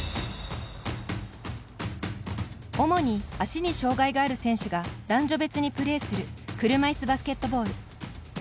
主に足に障がいがある選手が男女別にプレーする車いすバスケットボール。